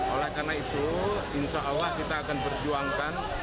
oleh karena itu insya allah kita akan berjuangkan